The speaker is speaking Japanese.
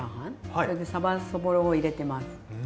それでさばそぼろを入れてます。